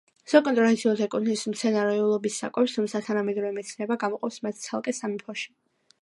სოკო ტრადიციულად ეკუთვნის მცენარეულობის საკვებს, თუმცა თანამედროვე მეცნიერება გამოყოფს მათ ცალკე სამეფოში.